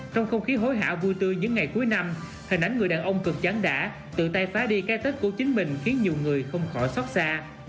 trong không khí hối hả vui tươi những ngày cuối năm hình ảnh người đàn ông cực chán đã tự tay phá đi cái tết của chính mình khiến nhiều người không khỏi xót xa